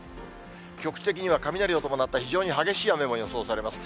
局地的には雷を伴った非常に激しい雨も予想されます。